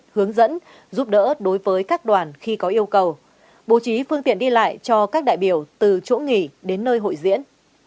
hướng dẫn giúp đỡ đối với các đoàn khi có yêu cầu bố trí phương tiện đi lại cho các đại biểu từ chỗ nghỉ đến nơi hội diễn